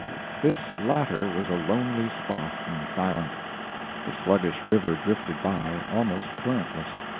This latter was a lonely spot, and silent. The sluggish river drifted by, almost currentless.